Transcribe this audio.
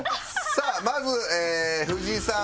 さあまず藤井さん